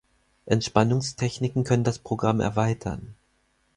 Entspannungstechniken können das Programm erweitern.